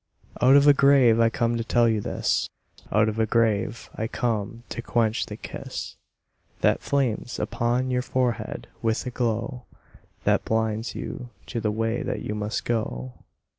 Out of a grave I come to tell you this, Out of a grave I come to quench the kiss That flames upon your forehead with a glow That blinds you to the way that you must go.